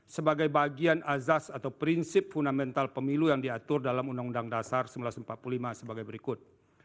sebagai bagian azas atau prinsip fundamental pemilu yang diatur dalam undang undang dasar seribu sembilan ratus empat puluh lima sebagai berikut